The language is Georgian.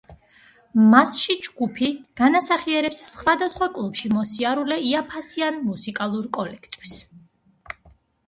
მასში ჯგუფი განასახიერებს სხვადასხვა კლუბში მოსიარულე იაფფასიან მუსიკალურ კოლექტივს.